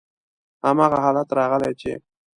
هماغه حالت راغلی چې: